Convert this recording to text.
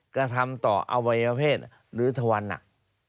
กระทำต่ออวัยวเพศหรือทวันหนัก